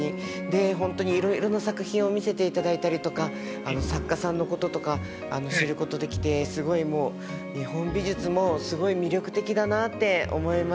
で本当にいろいろな作品を見せていただいたりとか作家さんのこととか知ることできてすごいもう日本美術もすごい魅力的だなって思いました。